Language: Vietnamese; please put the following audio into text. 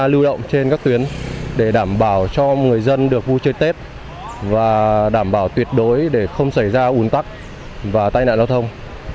chúng tôi vẫn tự động trên các tuyến để đảm bảo cho người dân được vui chơi tết và đảm bảo tuyệt đối để không xảy ra uốn tắc và tai nạn giao thông